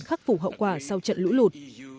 khắc phục hậu quả sau trận lũ lụt